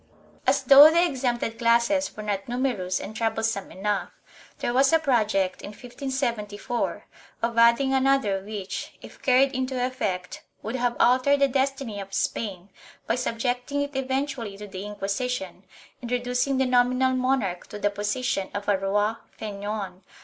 3 As though the exempted classes were not numerous and troublesome enough, there was a project, in 1574, of adding another which, if carried into effect, would have altered the destiny of Spain by subjecting it eventually to the Inquisition and reducing the nominal monarch to the position of a roi faineant 1 Archive de Simancas, Inquisition, Lib.